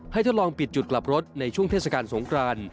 ทดลองปิดจุดกลับรถในช่วงเทศกาลสงคราน